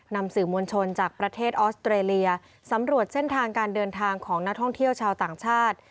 นำสื่อมวลชนจากประเทศออสเตรเลียสำรวจเส้นทางการเดินทางของนักท่องเที่ยวชาวต่างชาติ